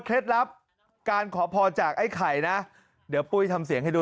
ลับการขอพรจากไอ้ไข่นะเดี๋ยวปุ้ยทำเสียงให้ดู